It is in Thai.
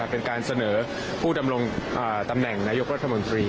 เป็นการเสนอผู้ดำรงตำแหน่งนายกรัฐมนตรี